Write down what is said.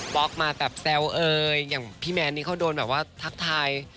ล็อกมาแบบแซวเอยอย่างพี่แมนนี่เขาโดนแบบว่าทักทาย